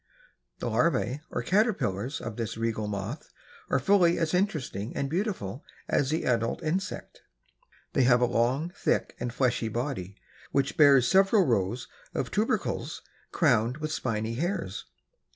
The larvae or caterpillars of this regal moth are fully as interesting and beautiful as the adult insect. They have a long, thick and fleshy body, which bears several rows of tubercles, crowned with spiny hairs.